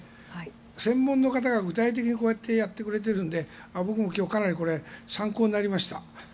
専門の方が具体的にこうやってやってくれているので僕もかなり参考になりました。